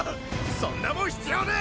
そんなもん必要ねェ！